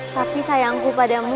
tapi sayangku padamu